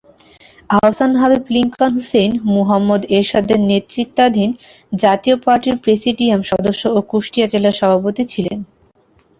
Ahsan Habib Lincoln Hussain Muhammad এরশাদের নেতৃত্বাধীন জাতীয় পার্টির প্রেসিডিয়াম সদস্য ও কুষ্টিয়া জেলা সভাপতি ছিলেন।